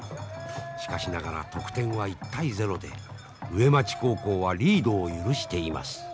しかしながら得点は１対０で上町高校はリードを許しています。